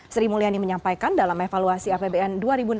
sri mulyani menyampaikan dalam evaluasi apbn dua ribu enam belas